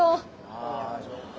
あぁそっか。